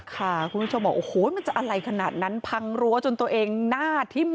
คุณผู้ชมบอกโอ้โหมันจะอะไรขนาดนั้นพังรั้วจนตัวเองหน้าทิ่ม